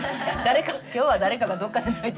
今日は誰かがどっかで泣いてる。